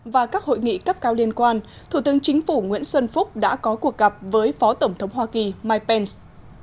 và các hội nghị cấp cao liên quan thủ tướng chính phủ nguyễn xuân phúc đã có cuộc gặp với phó tổng thống hoa kỳ mike pence